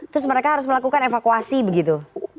terus mereka harus melakukan evakuasi begitu